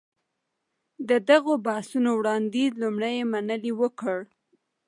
د دغو بحثو وړانديز لومړی منلي وکړ.